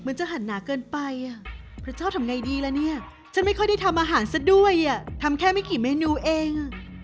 จะหันหนาเกินไปอ่ะพระเจ้าทำไงดีล่ะเนี่ยฉันไม่ค่อยได้ทำอาหารซะด้วยอ่ะทำแค่ไม่กี่เมนูเอง